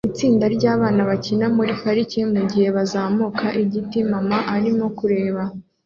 Itsinda ryabana bakina muri parike mugihe bazamuka igiti mama arimo kureba